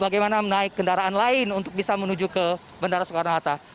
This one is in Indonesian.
bagaimana menaik kendaraan lain untuk bisa menuju ke bandara soekarno hatta